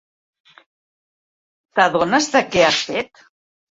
T'adones de què has fet?